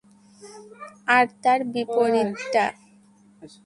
আর তার বিপরীতটা?